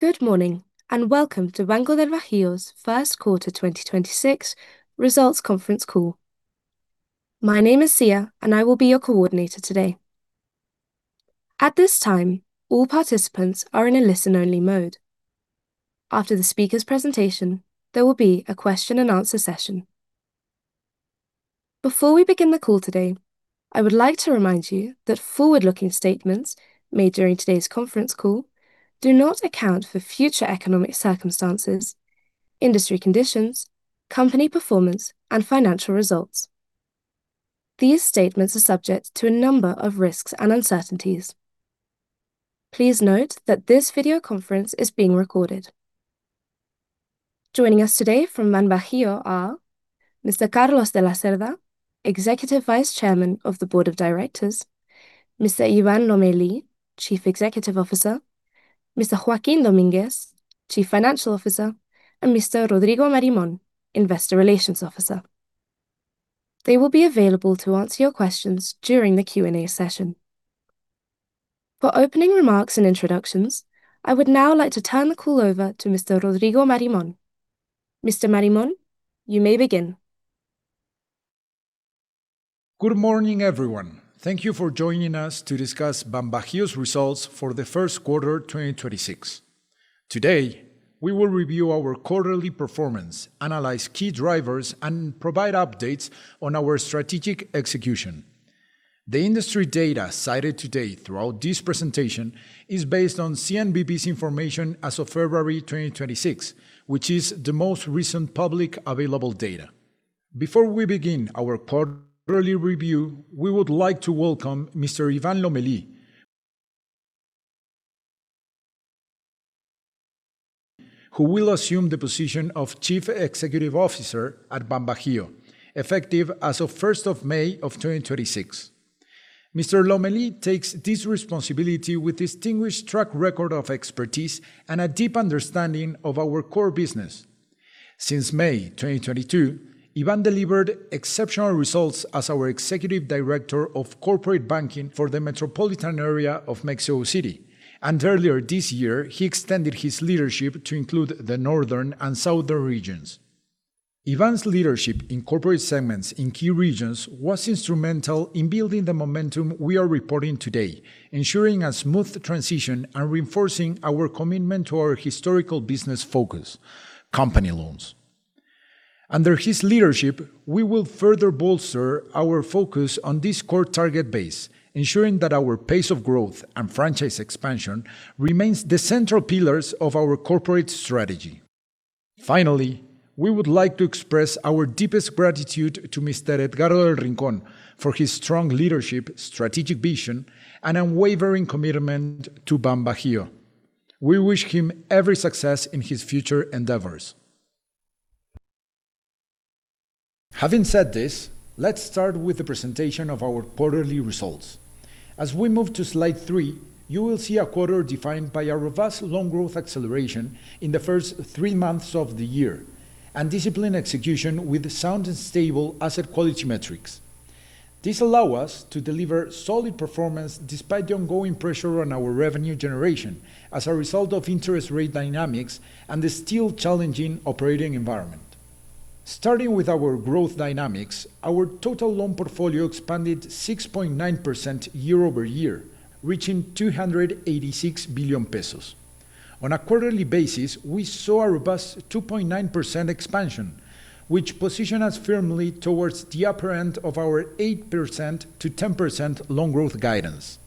Good morning, and welcome to Banco del Bajío's first quarter 2026 results conference call. My name is Cia, and I will be your coordinator today. At this time, all participants are in a listen-only mode. After the speaker's presentation, there will be a question and answer session. Before we begin the call today, I would like to remind you that forward-looking statements made during today's conference call do not account for future economic circumstances, industry conditions, company performance, and financial results. These statements are subject to a number of risks and uncertainties. Please note that this video conference is being recorded. Joining us today from BanBajío are Mr. Carlos de la Cerda, Executive Vice Chairman of the Board of Directors, Mr. Iván Lomelí, Chief Executive Officer, Mr. Joaquin Dominguez, Chief Financial Officer, and Mr. Rodrigo Marimon, Investor Relations Officer. They will be available to answer your questions during the Q&A session. For opening remarks and introductions, I would now like to turn the call over to Mr. Rodrigo Marimon. Mr. Marimon, you may begin. Good morning, everyone. Thank you for joining us to discuss BanBajío's results for the first quarter 2026. Today, we will review our quarterly performance, analyze key drivers, and provide updates on our strategic execution. The industry data cited today throughout this presentation is based on CNBV's information as of February 2026, which is the most recent public available data. Before we begin our quarterly review, we would like to welcome Mr. Iván Lomelí who will assume the position of Chief Executive Officer at BanBajío effective as of first of May of 2026. Mr. Lomelí takes this responsibility with distinguished track record of expertise and a deep understanding of our core business. Since May 2022, Iván delivered exceptional results as our Executive Director of Corporate Banking for the metropolitan area of Mexico City. Earlier this year, he extended his leadership to include the northern and southern regions. Iván's leadership in corporate segments in key regions was instrumental in building the momentum we are reporting today, ensuring a smooth transition and reinforcing our commitment to our historical business focus, company loans. Under his leadership, we will further bolster our focus on this core target base, ensuring that our pace of growth and franchise expansion remains the central pillars of our corporate strategy. Finally, we would like to express our deepest gratitude to Mr. Edgardo del Rincón for his strong leadership, strategic vision, and unwavering commitment to BanBajío. We wish him every success in his future endeavors. Having said this, let's start with the presentation of our quarterly results. As we move to slide 3, you will see a quarter defined by a robust loan growth acceleration in the first 3 months of the year and disciplined execution with sound and stable asset quality metrics. This allow us to deliver solid performance despite the ongoing pressure on our revenue generation as a result of interest rate dynamics and the still challenging operating environment. Starting with our growth dynamics, our total loan portfolio expanded 6.9% year-over-year, reaching 286 billion pesos. On a quarterly basis, we saw a robust 2.9% expansion, which position us firmly towards the upper end of our 8% to 10% loan growth guidance.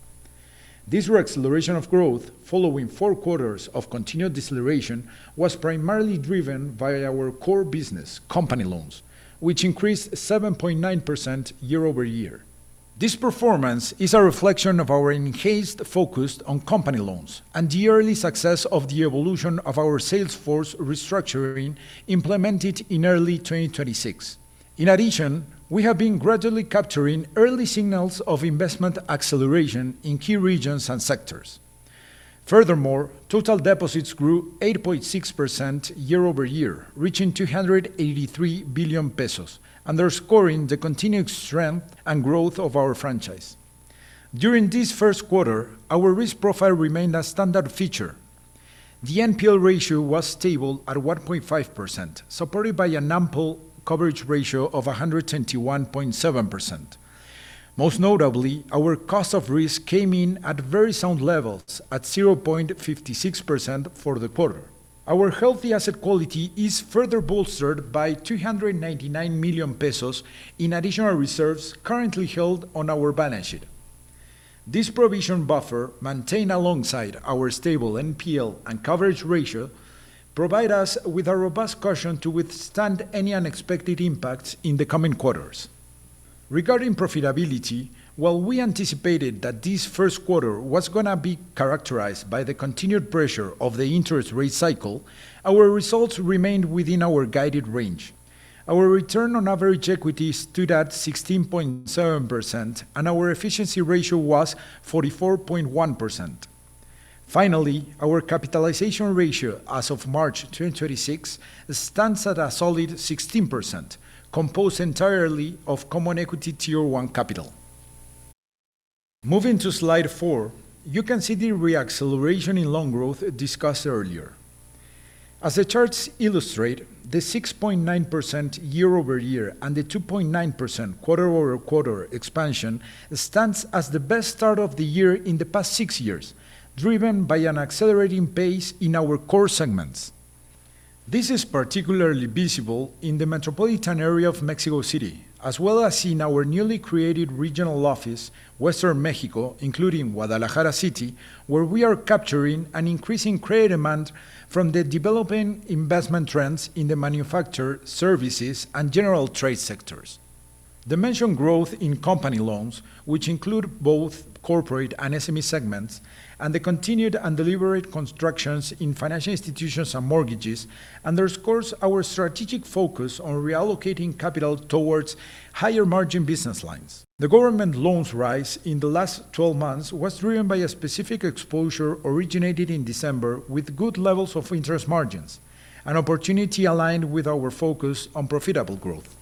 This reacceleration of growth following four quarters of continued deceleration was primarily driven by our core business, company loans, which increased 7.9% year-over-year. This performance is a reflection of our enhanced focus on company loans and the early success of the evolution of our sales force restructuring implemented in early 2026. In addition, we have been gradually capturing early signals of investment acceleration in key regions and sectors. Furthermore, total deposits grew 8.6% year-over-year, reaching 283 billion pesos underscoring the continued strength and growth of our franchise. During this first quarter, our risk profile remained a standard feature. The NPL ratio was stable at 1.5%, supported by an ample coverage ratio of 121.7%. Most notably, our cost of risk came in at very sound levels at 0.56% for the quarter. Our healthy asset quality is further bolstered by 299 million pesos in additional reserves currently held on our balance sheet. This provision buffer maintained alongside our stable NPL and coverage ratio provide us with a robust caution to withstand any unexpected impacts in the coming quarters. Regarding profitability, while we anticipated that this first quarter was gonna be characterized by the continued pressure of the interest rate cycle, our results remained within our guided range. Our return on average equity stood at 16.7% and our efficiency ratio was 44.1%. Finally, our capitalization ratio as of March 2026 stands at a solid 16% composed entirely of Common Equity Tier 1 capital. Moving to slide 4, you can see the re-acceleration in loan growth discussed earlier. As the charts illustrate, the 6.9% year-over-year and the 2.9% quarter-over-quarter expansion stands as the best start of the year in the past 6 years, driven by an accelerating pace in our core segments. This is particularly visible in the metropolitan area of Mexico City, as well as in our newly created regional office, Western Mexico, including Guadalajara City, where we are capturing an increasing credit demand from the developing investment trends in the manufacturing services and general trade sectors. The mentioned growth in company loans, which include both corporate and SME segments, and the continued and deliberate constructions in financial institutions and mortgages underscores our strategic focus on reallocating capital towards higher margin business lines. The government loans rise in the last 12 months was driven by a specific exposure originated in December with good levels of interest margins, an opportunity aligned with our focus on profitable growth.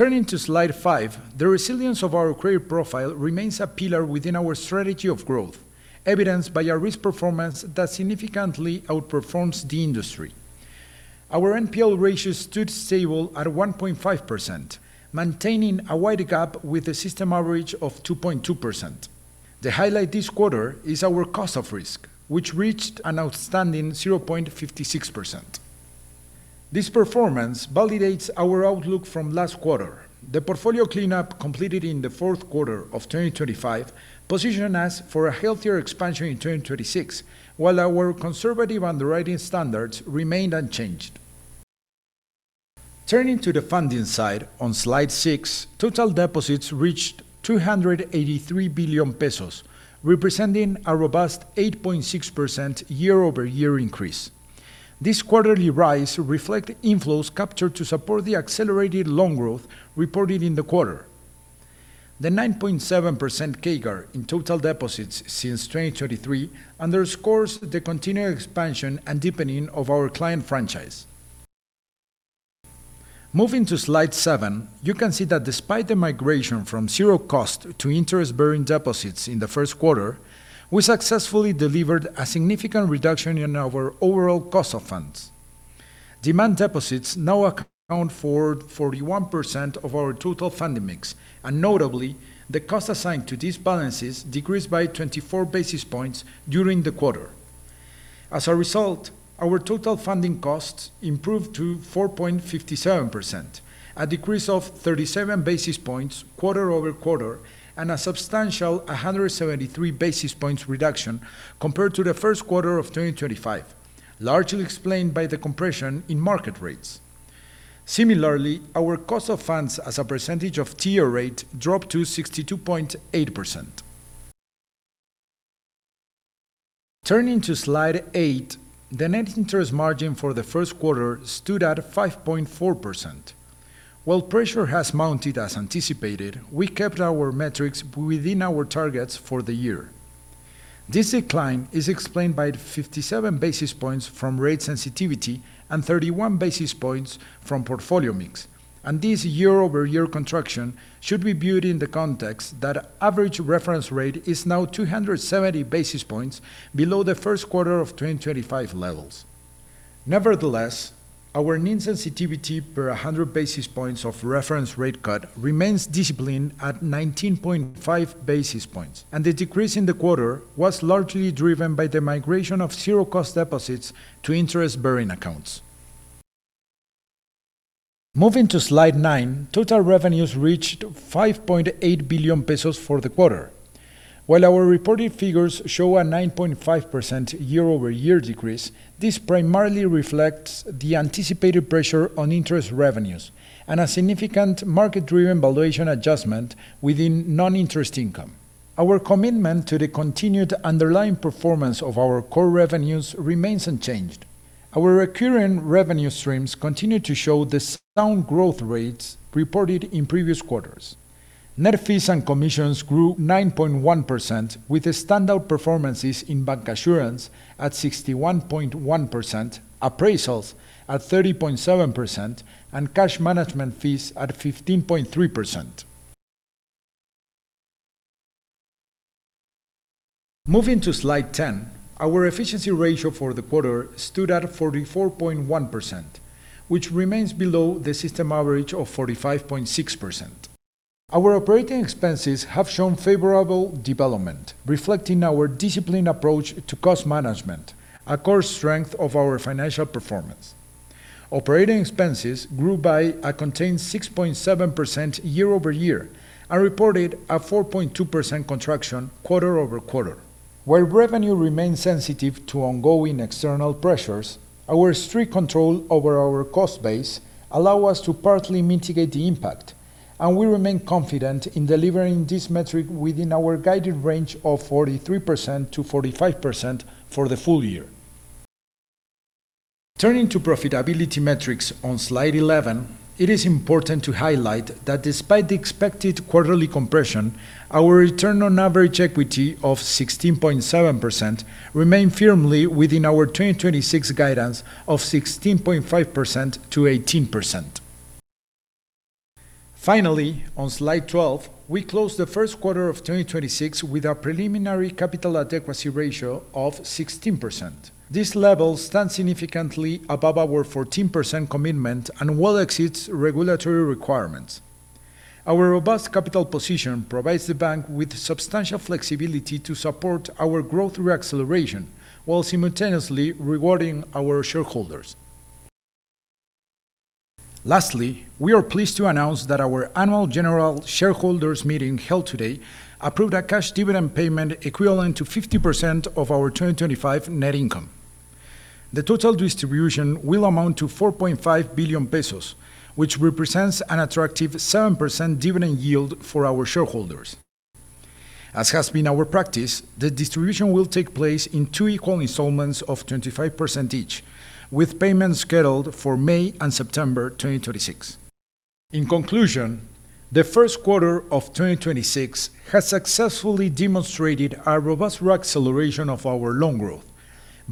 Turning to Slide 5, the resilience of our credit profile remains a pillar within our strategy of growth, evidenced by a risk performance that significantly outperforms the industry. Our NPL ratio stood stable at 1.5%, maintaining a wide gap with a system average of 2.2%. The highlight this quarter is our cost of risk, which reached an outstanding 0.56%. This performance validates our outlook from last quarter. The portfolio cleanup completed in the fourth quarter of 2025 positioned us for a healthier expansion in 2026, while our conservative underwriting standards remained unchanged. Turning to the funding side on Slide 6, total deposits reached 283 billion pesos, representing a robust 8.6% year-over-year increase. This quarterly rise reflect inflows captured to support the accelerated loan growth reported in the quarter. The 9.7% CAGR in total deposits since 2023 underscores the continued expansion and deepening of our client franchise. Moving to Slide 7, you can see that despite the migration from zero cost to interest-bearing deposits in the first quarter, we successfully delivered a significant reduction in our overall cost of funds. Demand deposits now account for 41% of our total funding mix, and notably, the cost assigned to these balances decreased by 24 basis points during the quarter. As a result, our total funding costs improved to 4.57%, a decrease of 37 basis points quarter-over-quarter and a substantial 173 basis points reduction compared to the first quarter of 2025, largely explained by the compression in market rates. Similarly, our cost of funds as a percentage of TIIE rate dropped to 62.8%. Turning to slide 8, the net interest margin for the first quarter stood at 5.4%. While pressure has mounted as anticipated, we kept our metrics within our targets for the year. This decline is explained by 57 basis points from rate sensitivity and 31 basis points from portfolio mix. This year-over-year contraction should be viewed in the context that average reference rate is now 270 basis points below the first quarter of 2025 levels. Nevertheless, our mean sensitivity per a 100 basis points of reference rate cut remains disciplined at 19.5 basis points. The decrease in the quarter was largely driven by the migration of zero-cost deposits to interest-bearing accounts. Moving to slide 9, total revenues reached 5.8 billion pesos for the quarter. While our reported figures show a 9.5% year-over-year decrease, this primarily reflects the anticipated pressure on interest revenues and a significant market-driven valuation adjustment within non-interest income. Our commitment to the continued underlying performance of our core revenues remains unchanged. Our recurring revenue streams continue to show the sound growth rates reported in previous quarters. Net fees and commissions grew 9.1%, with standout performances in bancassurance at 61.1%, appraisals at 30.7%, and cash management fees at 15.3%. Moving to slide 10, our efficiency ratio for the quarter stood at 44.1%, which remains below the system average of 45.6%. Our operating expenses have shown favorable development, reflecting our disciplined approach to cost management, a core strength of our financial performance. Operating expenses grew by a contained 6.7% year-over-year and reported a 4.2% contraction quarter-over-quarter. While revenue remains sensitive to ongoing external pressures, our strict control over our cost base allow us to partly mitigate the impact, and we remain confident in delivering this metric within our guided range of 43%-45% for the full year. Turning to profitability metrics on slide 11, it is important to highlight that despite the expected quarterly compression, our return on average equity of 16.7% remain firmly within our 2026 guidance of 16.5%-18%. Finally, on slide 12, we close the first quarter of 2026 with a preliminary capital adequacy ratio of 16%. This level stands significantly above our 14% commitment and well exceeds regulatory requirements. Our robust capital position provides the bank with substantial flexibility to support our growth through acceleration, while simultaneously rewarding our shareholders. Lastly, we are pleased to announce that our annual general shareholders meeting held today approved a cash dividend payment equivalent to 50% of our 2025 net income. The total distribution will amount to 4.5 billion pesos, which represents an attractive 7% dividend yield for our shareholders. As has been our practice, the distribution will take place in two equal installments of 25% each, with payments scheduled for May and September 2026. In conclusion, the first quarter of 2026 has successfully demonstrated a robust acceleration of our loan growth,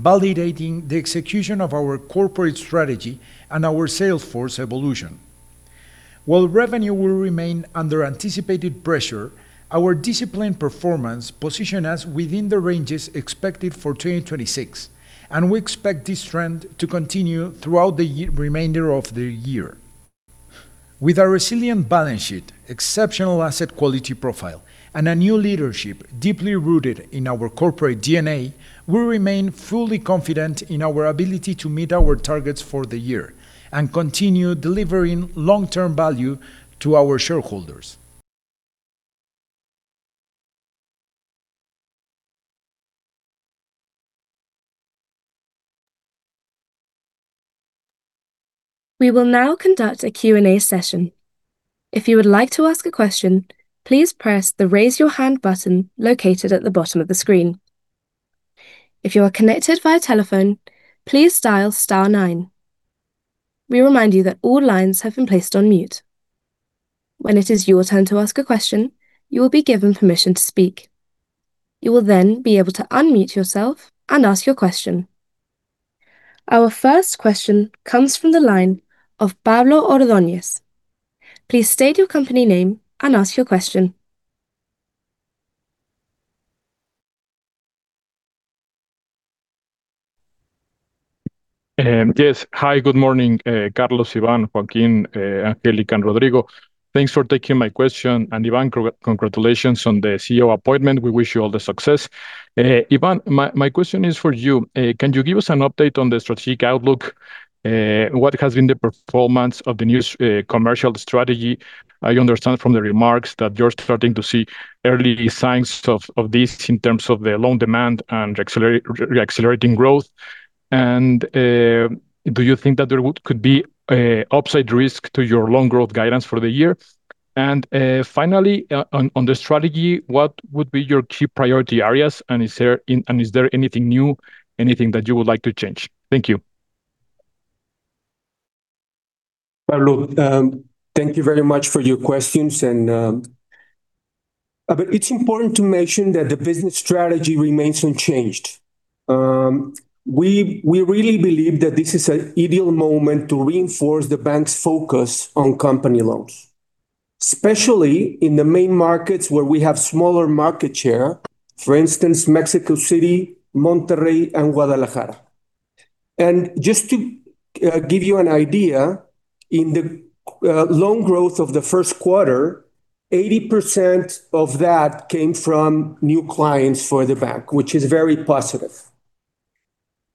validating the execution of our corporate strategy and our sales force evolution. While revenue will remain under anticipated pressure, our disciplined performance position us within the ranges expected for 2026, and we expect this trend to continue throughout the remainder of the year. With a resilient balance sheet, exceptional asset quality profile, and a new leadership deeply rooted in our corporate DNA, we remain fully confident in our ability to meet our targets for the year and continue delivering long-term value to our shareholders. We will now conduct a Q&A session. If you would like to ask a question, please press the Raise Your Hand button located at the bottom of the screen. If you are connected via telephone, please dial star nine. We remind you that all lines have been placed on mute. When it is your turn to ask a question, you will be given permission to speak. You will be able to unmute yourself and ask your question. Our first question comes from the line of Pablo Ordóñez. Please state your company name and ask your question. Yes. Hi, good morning, Carlos, Iván, Joaquin, Angélica, and Rodrigo. Thanks for taking my question. Iván, congratulations on the CEO appointment. We wish you all the success. Iván, my question is for you. Can you give us an update on the strategic outlook? What has been the performance of the new commercial strategy? I understand from the remarks that you're starting to see early signs of this in terms of the loan demand and re-accelerating growth. Do you think that there could be a upside risk to your loan growth guidance for the year? Finally, on the strategy, what would be your key priority areas, and is there anything new, anything that you would like to change? Thank you. Pablo, thank you very much for your questions and it's important to mention that the business strategy remains unchanged. We really believe that this is an ideal moment to reinforce the bank's focus on company loans, especially in the main markets where we have smaller market share. For instance, Mexico City, Monterrey, and Guadalajara. Just to give you an idea, in the loan growth of the first quarter, 80% of that came from new clients for the bank, which is very positive.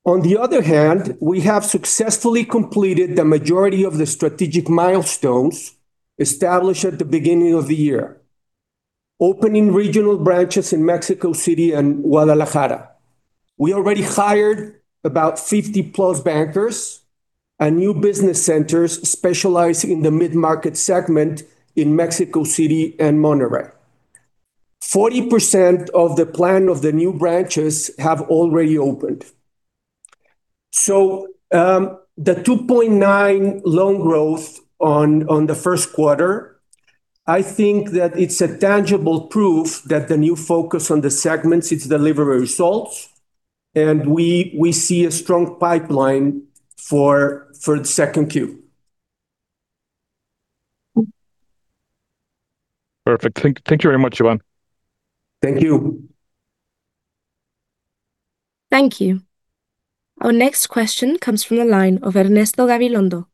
On the other hand, we have successfully completed the majority of the strategic milestones established at the beginning of the year, opening regional branches in Mexico City and Guadalajara. We already hired about 50+ bankers and new business centers specializing in the mid-market segment in Mexico City and Monterrey. 40% of the plan of the new branches have already opened. The 2.9% loan growth on the 1st quarter, I think that it's a tangible proof that the new focus on the segments is delivering results, and we see a strong pipeline for the 2Q. Perfect. Thank you very much, Ivan. Thank you. Thank you. Our next question comes from the line of Ernesto Gabilondo.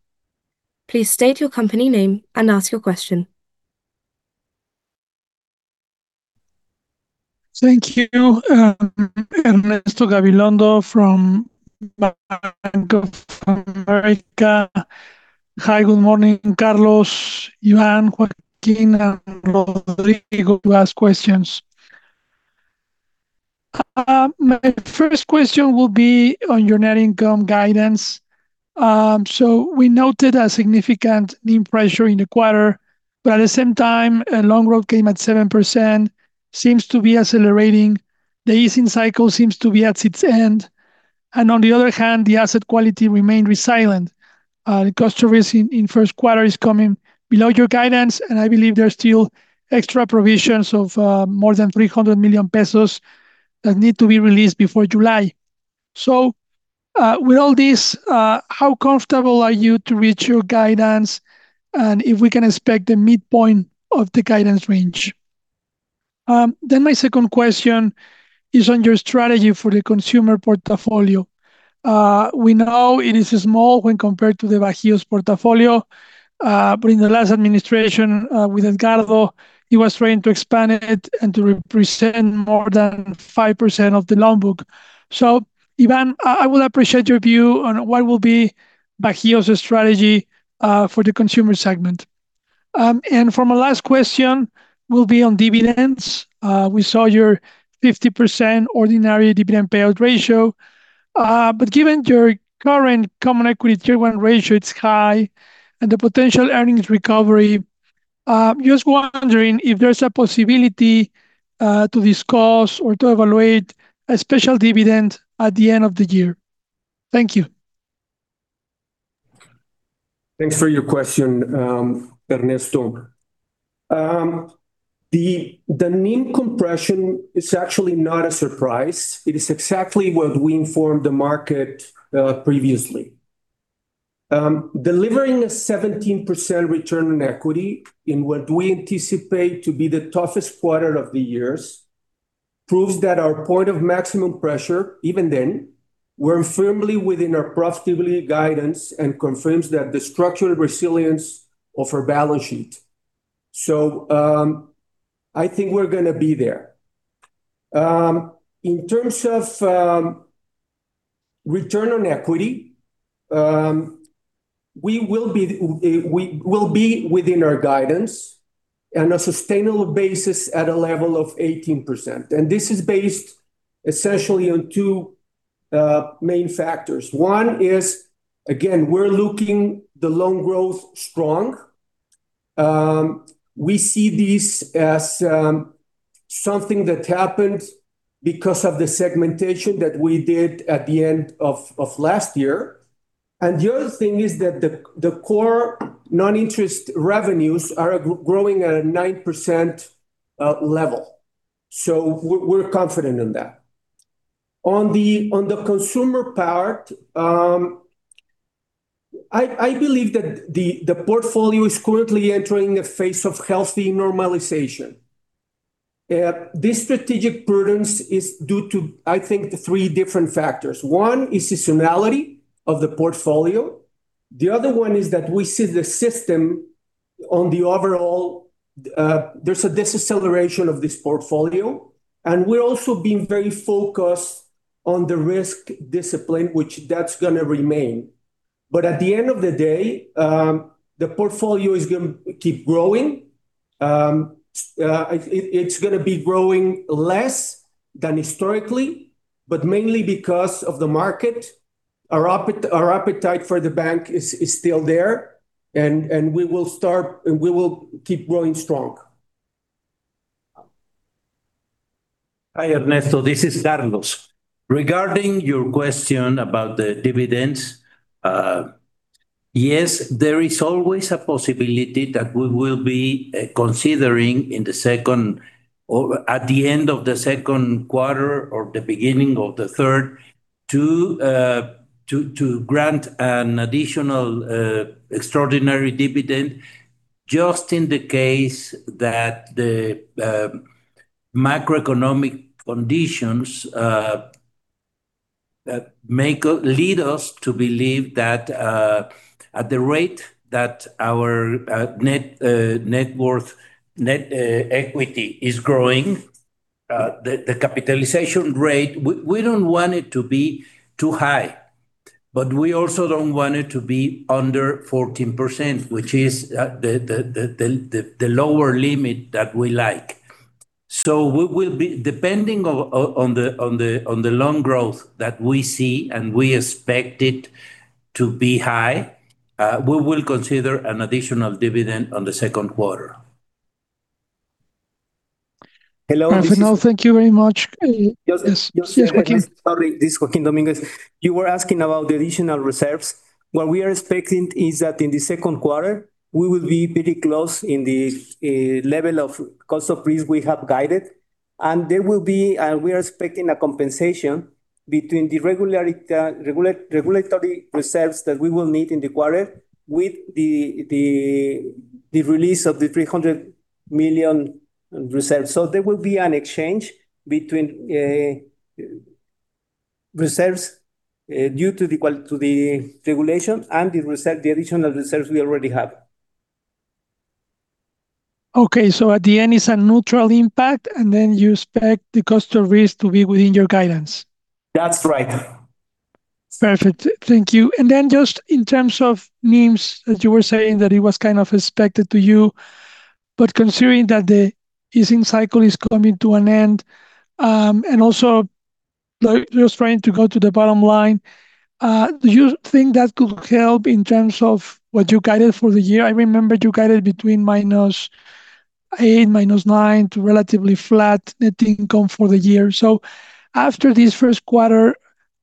Please state your company name and ask your question. Thank you. Ernesto Gabilondo from Bank of America. Hi, good morning, Carlos, Iván, Joaquin, and Rodrigo. Last questions. My first question will be on your net income guidance. We noted a significant NIM pressure in the quarter, but at the same time, loan growth came at 7%, seems to be accelerating. The easing cycle seems to be at its end. On the other hand, the asset quality remained resilient. The cost of risk in first quarter is coming below your guidance, and I believe there are still extra provisions of more than 300 million pesos that need to be released before July. With all this, how comfortable are you to reach your guidance, and if we can expect a midpoint of the guidance range? My second question is on your strategy for the consumer portfolio. We know it is small when compared to the Bajío's portfolio, in the last administration, with Edgardo del Rincón, he was trying to expand it and to represent more than 5% of the loan book. Iván Lomelí, I would appreciate your view on what will be Bajío's strategy for the consumer segment. For my last question will be on dividends. We saw your 50% ordinary dividend payout ratio, given your current Common Equity Tier 1 ratio, it's high, and the potential earnings recovery, just wondering if there's a possibility to discuss or to evaluate a special dividend at the end of the year. Thank you. Thanks for your question, Ernesto. The NIM compression is actually not a surprise. It is exactly what we informed the market previously. Delivering a 17% return on equity in what we anticipate to be the toughest quarter of the years proves that our point of maximum pressure, even then, we're firmly within our profitability guidance and confirms that the structural resilience of our balance sheet. I think we're gonna be there. In terms of return on equity, we will be within our guidance on a sustainable basis at a level of 18%, and this is based essentially on two main factors. One is, again, we're looking the loan growth strong. We see this as something that happened because of the segmentation that we did at the end of last year. The other thing is that the core non-interest revenues are growing at a 9% level. We're confident in that. On the consumer part, I believe that the portfolio is currently entering a phase of healthy normalization. This strategic prudence is due to, I think, the three different factors. One is seasonality of the portfolio. The other one is that we see the system on the overall, there's a deceleration of this portfolio, and we're also being very focused on the risk discipline, which that's gonna remain. At the end of the day, the portfolio is gonna keep growing. It's gonna be growing less than historically, but mainly because of the market. Our appetite for the bank is still there and we will keep growing strong. Hi, Ernesto. This is Carlos. Regarding your question about the dividends, yes, there is always a possibility that we will be considering in the second or at the end of the second quarter or the beginning of the third to grant an additional extraordinary dividend just in the case that the macroeconomic conditions that lead us to believe that at the rate that our net worth, net equity is growing, the capitalization rate, we don't want it to be too high, but we also don't want it to be under 14%, which is the lower limit that we like. Depending on the loan growth that we see and we expect it to be high, we will consider an additional dividend on the second quarter. Hello. Perfect. No, thank you very much. Yes. Yes, Joaquin. Sorry, this is Joaquin Dominguez. You were asking about the additional reserves. What we are expecting is that in the second quarter we will be pretty close in the level of cost of risk we have guided, and there will be, and we are expecting a compensation between the regulatory reserves that we will need in the quarter with the release of the 300 million reserves. There will be an exchange between reserves due to the regulation and the additional reserves we already have. At the end it's a neutral impact, you expect the cost of risk to be within your guidance. That's right. Perfect. Thank you. Just in terms of NIMs that you were saying that it was kind of expected to you, but considering that the easing cycle is coming to an end, and also, like, just trying to go to the bottom line, do you think that could help in terms of what you guided for the year? I remember you guided between -8%, -9% to relatively flat net income for the year. After this 1st quarter,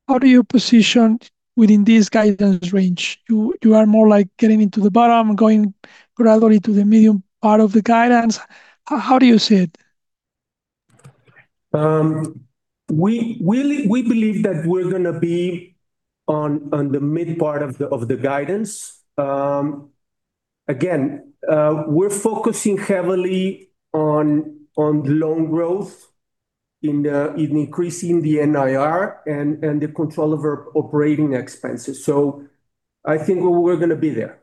how do you position within this guidance range? You are more like getting into the bottom, going gradually to the medium part of the guidance. How do you see it? We believe that we're gonna be on the mid part of the guidance. Again, we're focusing heavily on loan growth in increasing the NIR and the control over operating expenses. I think we're gonna be there.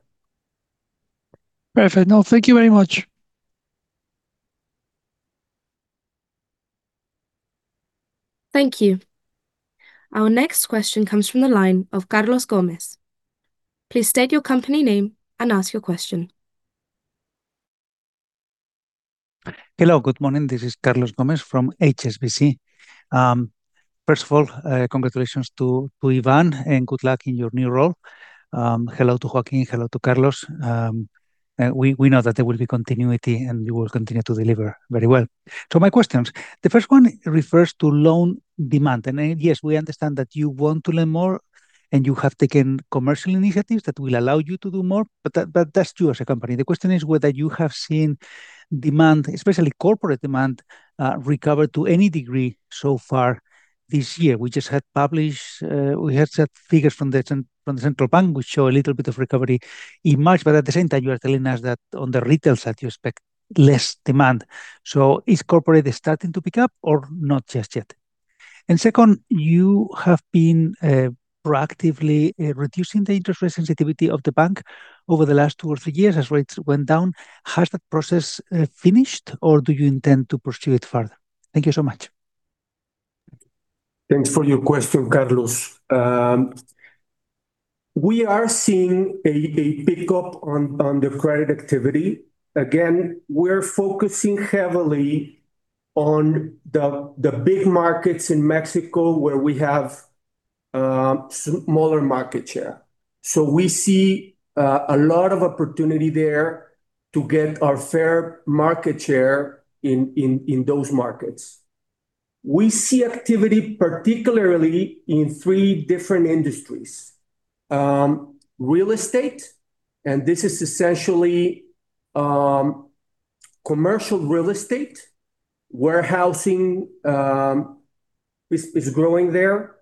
Perfect. No, thank you very much. Thank you. Our next question comes from the line of Carlos Gomez. Please state your company name and ask your question. Hello, good morning, this is Carlos Gomez from HSBC. First of all, congratulations to Ivan and good luck in your new role. Hello to Joaquin, hello to Carlos. We know that there will be continuity and you will continue to deliver very well. My questions. The first one refers to loan demand, and yes, we understand that you want to learn more, and you have taken commercial initiatives that will allow you to do more, but that's true as a company. The question is whether you have seen demand, especially corporate demand, recover to any degree so far this year. We just had published, we had set figures from the central bank which show a little bit of recovery in March, but at the same time, you are telling us that on the retail side you expect less demand. Is corporate starting to pick up or not just yet? Second, you have been proactively reducing the interest rate sensitivity of the bank over the last two or three years as rates went down. Has that process finished or do you intend to pursue it further? Thank you so much. Thanks for your question, Carlos. We are seeing a pick-up on the credit activity. We're focusing heavily on the big markets in Mexico where we have smaller market share. We see a lot of opportunity there to get our fair market share in those markets. We see activity particularly in three different industries. Real estate, this is essentially commercial real estate. Warehousing is growing there.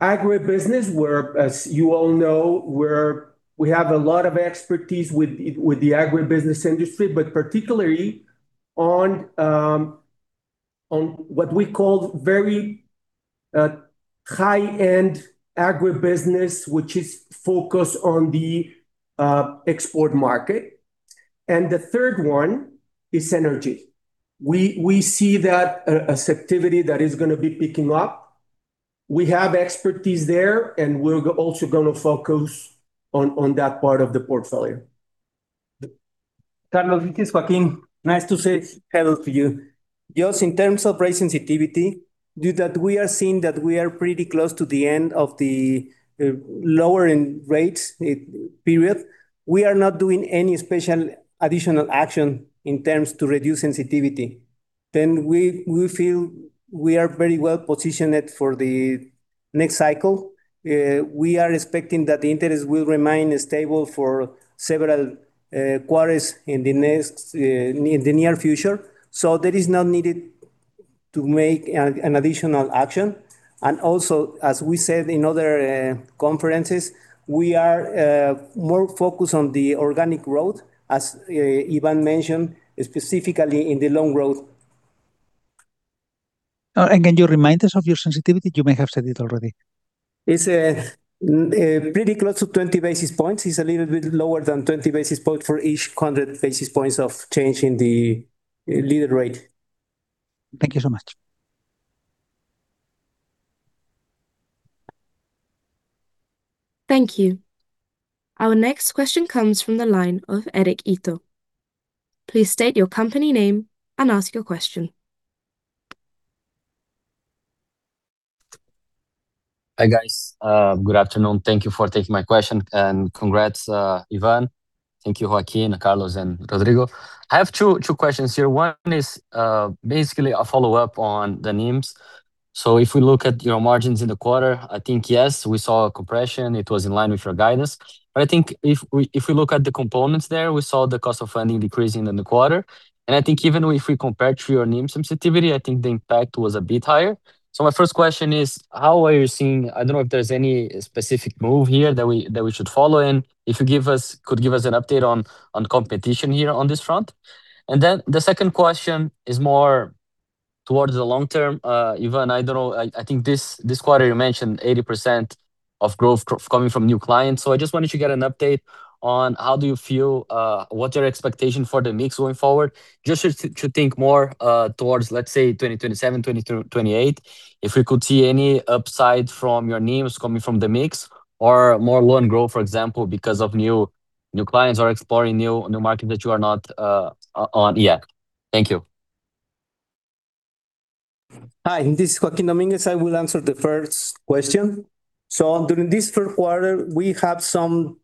Agribusiness where, as you all know, we have a lot of expertise with the agribusiness industry, particularly on what we call very high-end agribusiness which is focused on the export market. The third one is energy. We see that as activity that is going to be picking up. We have expertise there, and we're also gonna focus on that part of the portfolio. Carlos, this is Joaquin. Nice to say hello to you. Just in terms of rate sensitivity, due that we are seeing that we are pretty close to the end of the lowering rates period, we are not doing any special additional action in terms to reduce sensitivity. We feel we are very well-positioned for the next cycle. We are expecting that the interest will remain stable for several quarters in the next in the near future, there is not needed to make an additional action. Also, as we said in other conferences, we are more focused on the organic growth, as Iván mentioned, specifically in the loan growth. Can you remind us of your sensitivity? You may have said it already. It's pretty close to 20 basis points. It's a little bit lower than 20 basis points for each 100 basis points of change in the TIIE rate. Thank you so much. Thank you. Our next question comes from the line of Eric Ito. Please state your company name and ask your question. Hi, guys. Good afternoon. Thank you for taking my question, and congrats, Iván. Thank you, Joaquin, Carlos, and Rodrigo. I have two questions here. One is basically a follow-up on the NIMs. If we look at your margins in the quarter, I think, yes, we saw a compression. It was in line with your guidance. I think if we look at the components there, we saw the cost of funding decreasing in the quarter. I think even if we compare to your NIM sensitivity, I think the impact was a bit higher. My first question is: I don't know if there's any specific move here that we should follow? If you could give us an update on competition here on this front. The second question is more towards the long term. Iván, I don't know, I think this quarter you mentioned 80% of growth coming from new clients. I just wanted to get an update on how do you feel, what's your expectation for the mix going forward? Just to think more towards, let's say, 2027, 2028. If we could see any upside from your NIMs coming from the mix or more loan growth, for example, because of new clients or exploring new market that you are not on yet. Thank you. Hi, this is Joaquin Dominguez. I will answer the first question. During this first quarter, we have some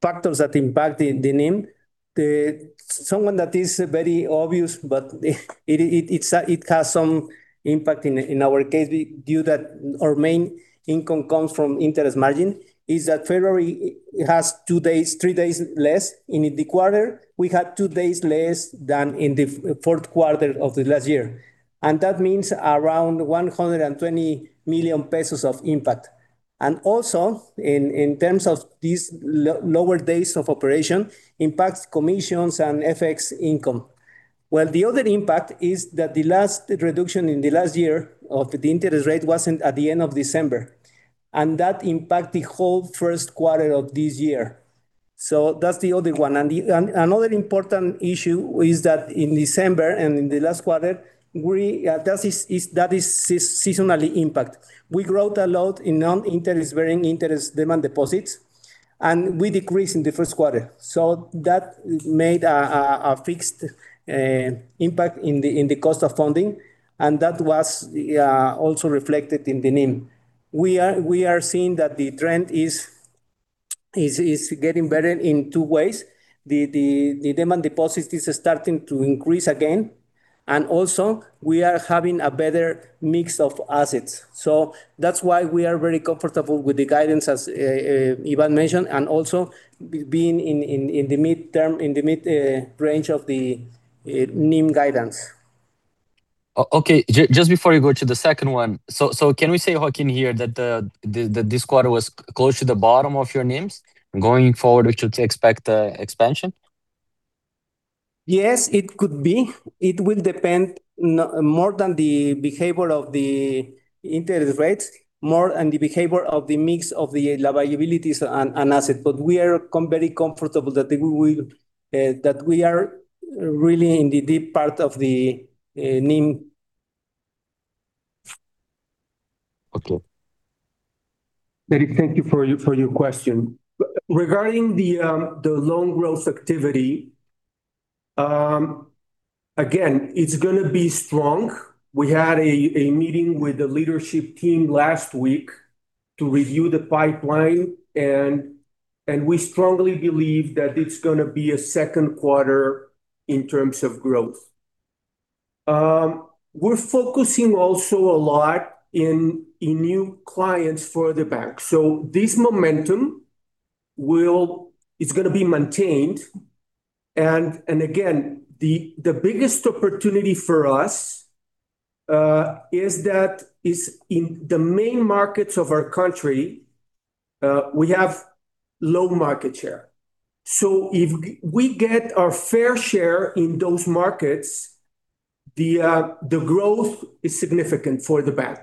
factors that impact the NIM. Someone that is very obvious, but it has some impact in our case due that our main income comes from interest margin, is that February has 3 days less in the quarter. We had 2 days less than in the fourth quarter of the last year. That means around 120 million pesos of impact. Also in terms of these lower days of operation impacts commissions and FX income. The other impact is that the last reduction in the last year of the interest rate wasn't at the end of December, and that impact the whole first quarter of this year. That's the other one. Another important issue is that in December and in the last quarter, we that is seasonally impact. We growth a lot in non-interest bearing interest demand deposits, and we decrease in the first quarter. That made a fixed impact in the cost of funding, and that was also reflected in the NIM. We are seeing that the trend is getting better in two ways. The demand deposit is starting to increase again, and also we are having a better mix of assets. That's why we are very comfortable with the guidance, as Iván mentioned, and also being in the midterm, in the mid range of the NIM guidance. Okay. Just before you go to the second one, can we say, Joaquin, here that this quarter was close to the bottom of your NIMs? Going forward, we should expect a expansion? Yes, it could be. It will depend more than the behavior of the interest rates, more on the behavior of the mix of the liabilities and asset. We are very comfortable that we will that we are really in the deep part of the NIM. Okay. Eric, thank you for your question. Regarding the loan growth activity, again, it's gonna be strong. We had a meeting with the leadership team last week to review the pipeline, and we strongly believe that it's gonna be a second quarter in terms of growth. We're focusing also a lot in new clients for the bank. This momentum it's gonna be maintained. Again, the biggest opportunity for us is that is in the main markets of our country, we have low market share. If we get our fair share in those markets, the growth is significant for the bank.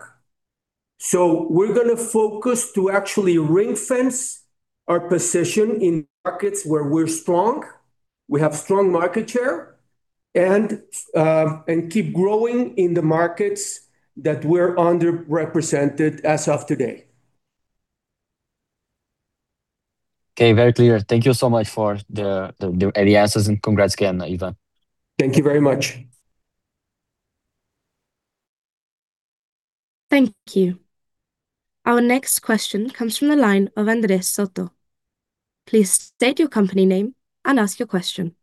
We're gonna focus to actually ring-fence our position in markets where we're strong, we have strong market share, and keep growing in the markets that we're underrepresented as of today. Okay. Very clear. Thank you so much for the answers. Congrats again, Iván. Thank you very much. Thank you. Our next question comes from the line of Andres Soto. Please state your company name and ask your question.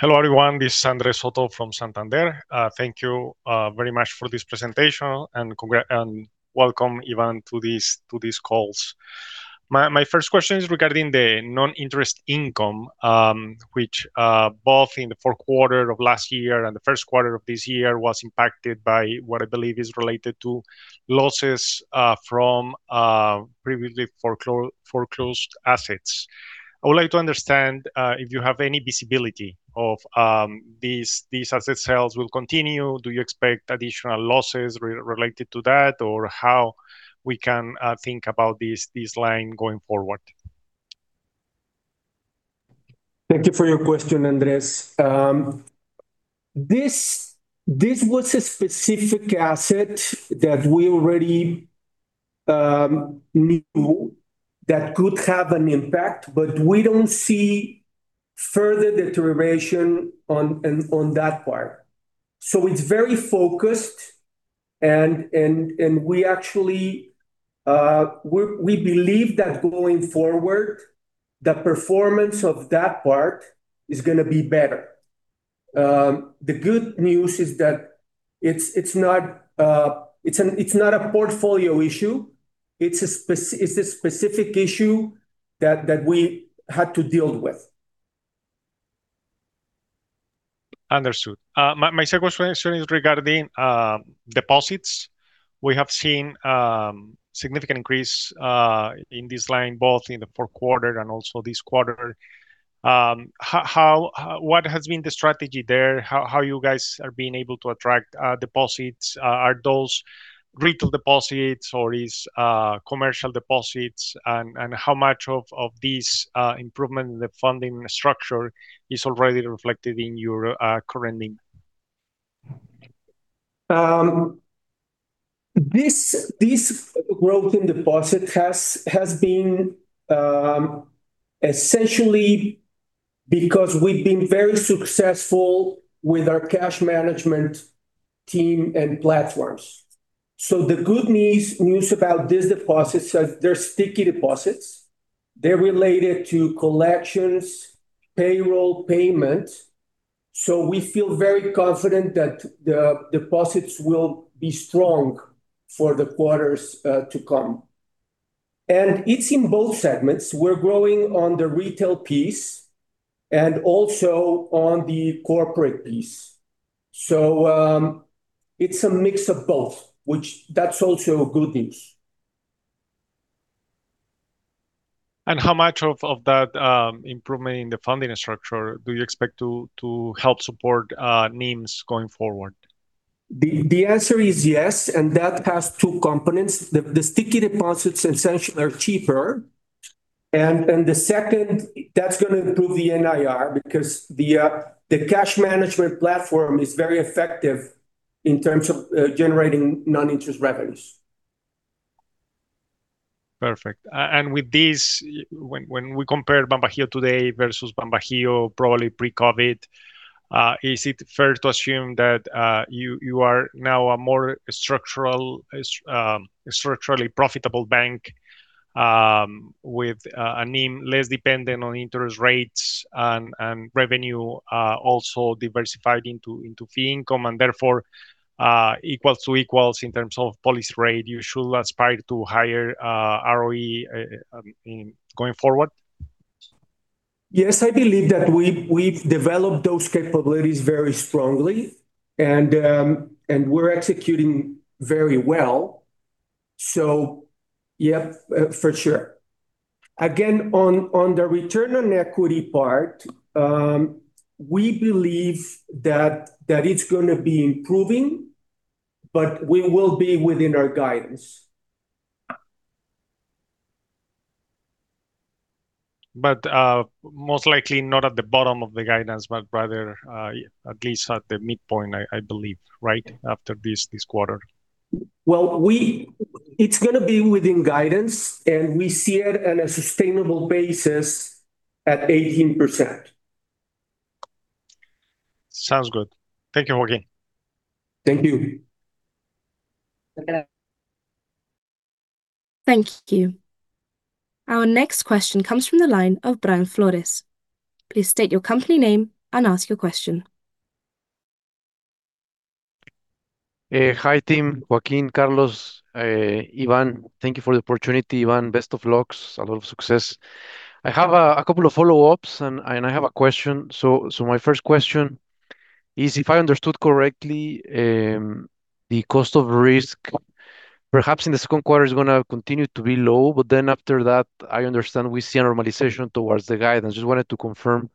Hello, everyone. This is Andres Soto from Santander. Thank you very much for this presentation, and welcome, Iván, to these calls. My first question is regarding the non-interest income, which both in the fourth quarter of last year and the first quarter of this year was impacted by what I believe is related to losses from previously foreclosed assets. I would like to understand if you have any visibility of these asset sales will continue. Do you expect additional losses related to that or how we can think about this line going forward? Thank you for your question, Andres. This was a specific asset that we already knew that could have an impact. We don't see further deterioration on that part. It's very focused, and we actually believe that going forward, the performance of that part is gonna be better. The good news is that it's not a portfolio issue. It's a specific issue that we had to deal with. Understood. My second question is regarding deposits. We have seen significant increase in this line, both in the fourth quarter and also this quarter. How, what has been the strategy there? How you guys are being able to attract deposits? Are those retail deposits or is commercial deposits? How much of this improvement in the funding structure is already reflected in your current NIM? This growth in deposit has been essentially because we've been very successful with our cash management team and platforms. The good news about this deposit, so they're sticky deposits. They're related to collections, payroll payment. We feel very confident that the deposits will be strong for the quarters to come. It's in both segments. We're growing on the retail piece and also on the corporate piece. It's a mix of both, which that's also good news. How much of that improvement in the funding structure do you expect to help support NIMs going forward? The answer is yes, and that has two components. The sticky deposits essentially are cheaper. The second, that's gonna improve the NIR because the cash management platform is very effective in terms of generating non-interest revenues. Perfect. With this, when we compare BanBajío today versus BanBajío probably pre-COVID, is it fair to assume that you are now a more structural, structurally profitable bank, with a NIM less dependent on interest rates and revenue also diversified into fee income, and therefore, equals to equals in terms of policy rate, you should aspire to higher ROE going forward? Yes, I believe that we've developed those capabilities very strongly and we're executing very well. Yeah, for sure. On the return on equity part, we believe that it's gonna be improving, but we will be within our guidance. Most likely not at the bottom of the guidance, but rather, at least at the midpoint, I believe, right, after this quarter? Well, It's gonna be within guidance, and we see it on a sustainable basis at 18%. Sounds good. Thank you, Joaquin. Thank you. Thank you. Our next question comes from the line of Brian Flores. Please state your company name and ask your question. Hi, team, Joaquin, Carlos, Iván. Thank you for the opportunity, Iván. Best of luck. A lot of success. I have a couple of follow-ups and I have a question. My first question is, if I understood correctly, the cost of risk perhaps in the second quarter is going to continue to be low, but then after that, I understand we see a normalization towards the guidance. Just wanted to confirm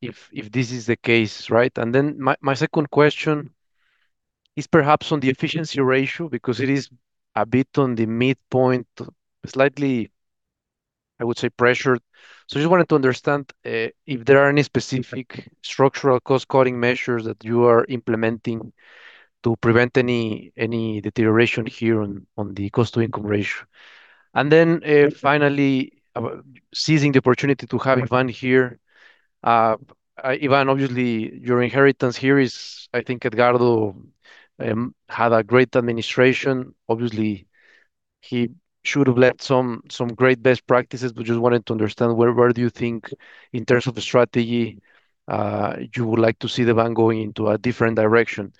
if this is the case, right? My second question is perhaps on the efficiency ratio because it is a bit on the midpoint, slightly, I would say, pressured. Just wanted to understand if there are any specific structural cost-cutting measures that you are implementing to prevent any deterioration here on the cost-to-income ratio. Finally, seizing the opportunity to have Iván here. Iván, obviously, your inheritance here is, I think, Edgardo had a great administration. Obviously, he should have left some great best practices. Just wanted to understand where do you think in terms of the strategy, you would like to see the bank going into a different direction,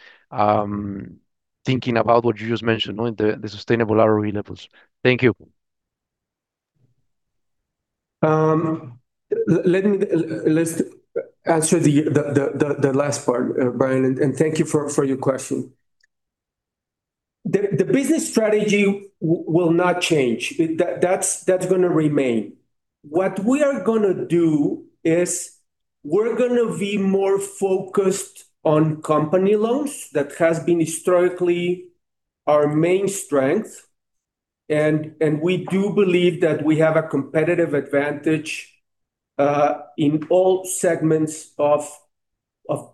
thinking about what you just mentioned, knowing the sustainable ROE levels. Thank you. Let's answer the last part, Brian, and thank you for your question. The business strategy will not change. That's gonna remain. What we are gonna do is we're gonna be more focused on company loans. That has been historically our main strength, and we do believe that we have a competitive advantage in all segments of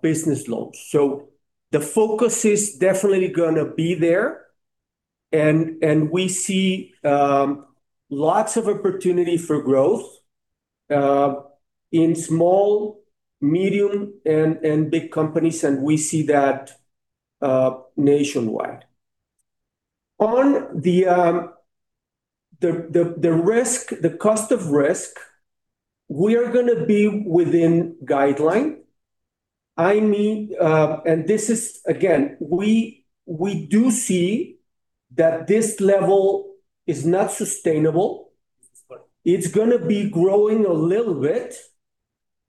business loans. The focus is definitely gonna be there, and we see lots of opportunity for growth in small, medium, and big companies, and we see that nationwide. On the risk, the cost of risk, we are gonna be within guideline. I mean, this is, again, we do see that this level is not sustainable. It's gonna be growing a little bit,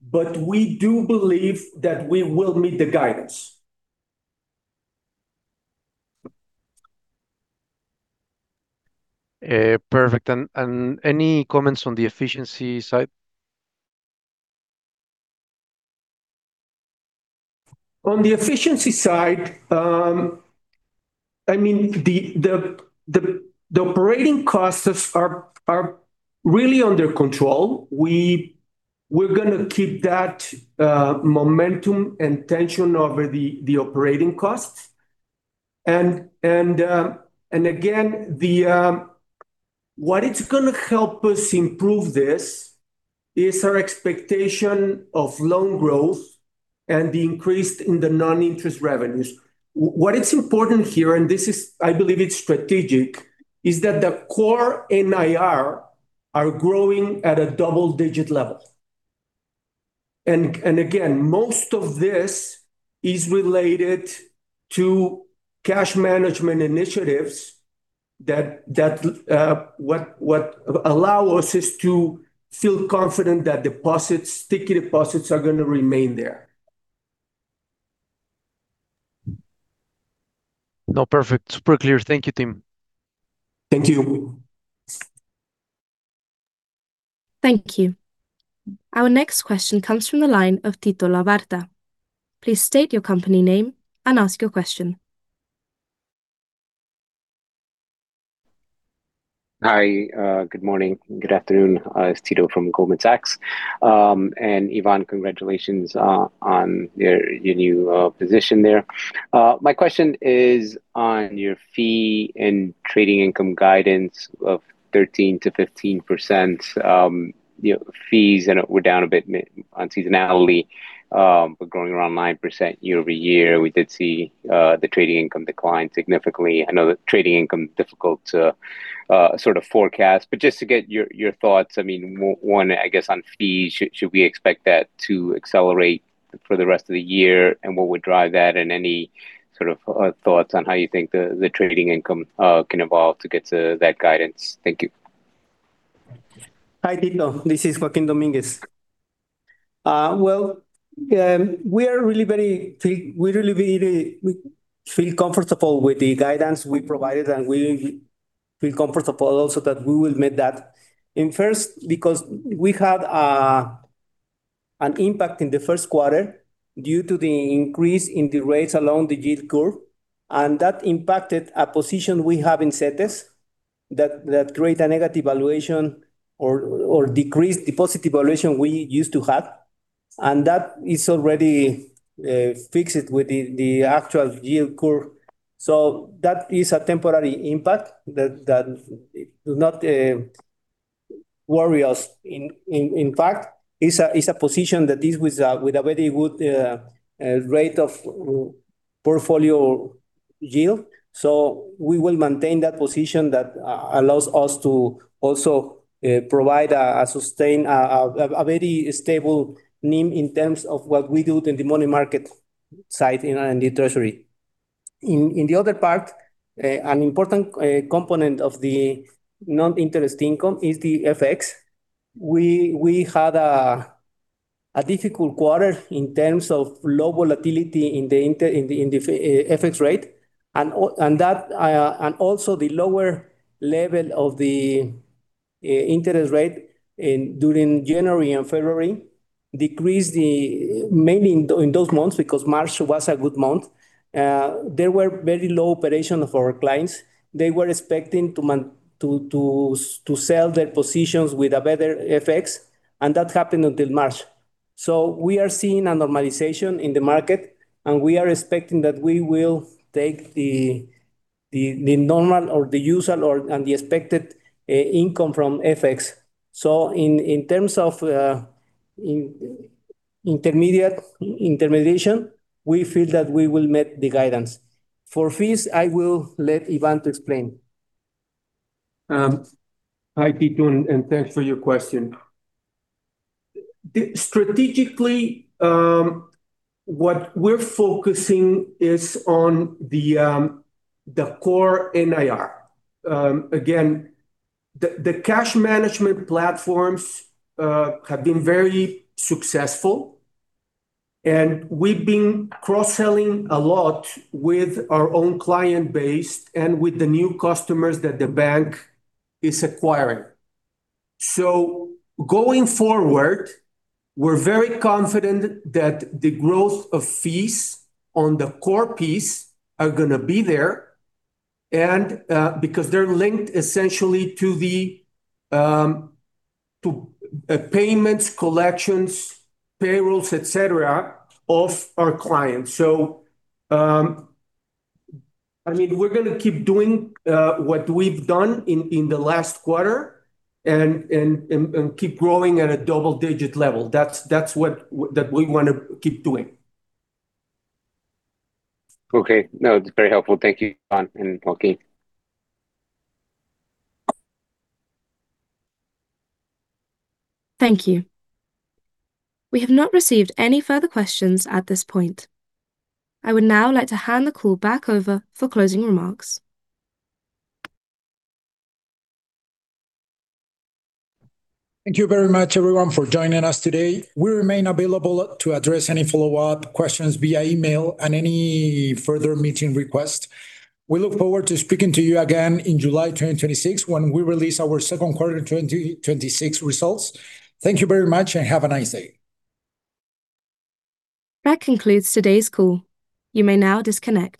but we do believe that we will meet the guidance. Perfect. Any comments on the efficiency side? On the efficiency side, I mean, the operating costs are really under control. We're gonna keep that momentum and tension over the operating costs. Again, what it's gonna help us improve this is our expectation of loan growth and the increase in the non-interest revenues. What is important here, this is, I believe it's strategic, is that the core NIR are growing at a double-digit level. Again, most of this is related to cash management initiatives that allow us is to feel confident that deposits, sticky deposits are gonna remain there. No, perfect. Super clear. Thank you, team. Thank you. Thank you. Our next question comes from the line of Tito Labarta. Please state your company name and ask your question. Hi. Good morning, good afternoon. It's Tito from Goldman Sachs. Iván, congratulations on your new position there. My question is on your fee and trading income guidance of 13%-15%, you know, fees and we're down a bit on seasonality, but growing around 9% year-over-year. We did see the trading income decline significantly. I know that trading income difficult to sort of forecast, but just to get your thoughts, I mean, one, I guess on fees. Should we expect that to accelerate for the rest of the year, and what would drive that? Any sort of thoughts on how you think the trading income can evolve to get to that guidance? Thank you. Hi, Tito. This is Joaquin Dominguez. We feel comfortable with the guidance we provided, and we feel comfortable also that we will meet that. In first, because we had an impact in the first quarter due to the increase in the rates along the yield curve, that impacted a position we have in CETES that create a negative valuation or decreased the positive valuation we used to have. That is already fixed with the actual yield curve. That is a temporary impact that does not worry us. In fact, it's a position that is with a very good rate of portfolio yield. We will maintain that position that allows us to also provide a sustained, a very stable NIM in terms of what we do in the money market side in R&D Treasury. In the other part, an important component of the non-interest income is the FX. We had a difficult quarter in terms of low volatility in the FX rate. That and also the lower level of the interest rate during January and February decreased mainly in those months because March was a good month, there were very low operation of our clients. They were expecting to sell their positions with a better FX, and that happened until March. We are seeing a normalization in the market. We are expecting that we will take the normal or the usual and the expected income from FX. In terms of intermediation, we feel that we will meet the guidance. For fees, I will let Iván to explain. hi, Tito, and thanks for your question. Strategically, what we're focusing is on the core NIR. The cash management platforms have been very successful, and we've been cross-selling a lot with our own client base and with the new customers that the bank is acquiring. Going forward, we're very confident that the growth of fees on the core piece are gonna be there and because they're linked essentially to the payments, collections, payrolls, et cetera, of our clients. I mean, we're gonna keep doing what we've done in the last quarter and keep growing at a double-digit level. That's what we wanna keep doing. Okay. No, it's very helpful. Thank you, Iván and Joaquin. Thank you. We have not received any further questions at this point. I would now like to hand the call back over for closing remarks. Thank you very much, everyone, for joining us today. We remain available to address any follow-up questions via email and any further meeting requests. We look forward to speaking to you again in July 2026, when we release our second quarter 2026 results. Thank you very much and have a nice day. That concludes today's call. You may now disconnect.